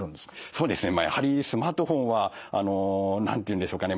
そうですねやはりスマートフォンはあの何というんでしょうかね